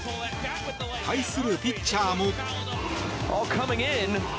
対するピッチャーも。